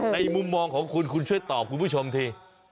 มุมมองของคุณคุณช่วยตอบคุณผู้ชมที